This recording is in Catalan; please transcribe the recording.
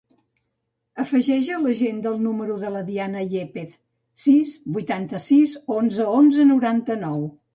Afegeix a l'agenda el número de la Diana Yepez: sis, vuitanta-sis, onze, onze, noranta-nou.